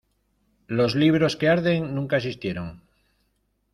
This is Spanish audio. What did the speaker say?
Los libros que arden nunca existieron